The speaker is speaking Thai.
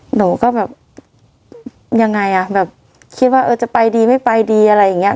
หนูก็แบบยังไงอ่ะแบบคิดว่าเออจะไปดีไม่ไปดีอะไรอย่างเงี้